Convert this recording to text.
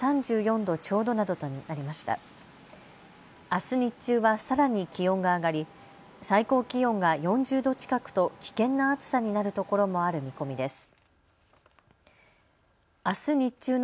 あす日中はさらに気温が上がり最高気温が４０度近くと危険な暑さになるところもある見込みです。